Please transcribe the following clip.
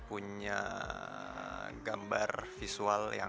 punya gambar visual